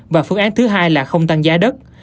và phương án thứ hai là không tăng giá đất